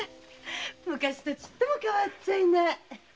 昔とちっとも変わっちゃいない。